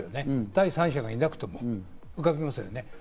第３者がいなくとも浮かびますね。